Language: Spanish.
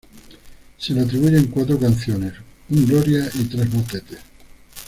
Se le atribuyen cuatro canciones, un gloria y tres motetes.